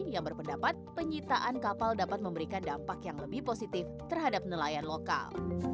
yang berpendapat penyitaan kapal dapat memberikan dampak yang lebih positif terhadap nelayan lokal